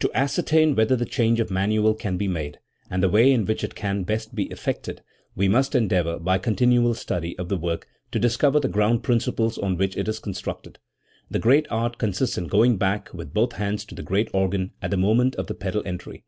To ascertain where the change of manual can be made, and the way in which it can best be effected, we must 3IO XIV. The Performance of the Organ Works. endeavour by continual study of the work to discover the ground principles on which it is constructed. The great art consists in going back with both hands to the great organ at the moment of the pedal entry.